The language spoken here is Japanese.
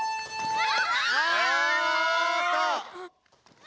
うわ！